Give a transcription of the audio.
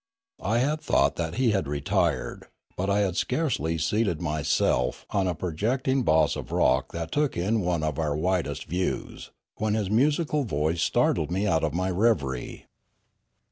I had thought that he had retired, but I had scarcely seated myself 2S3 284 Limanora on a projecting boss of rock that took in one of our widest views, when his musical voice startled me out of ray reverie.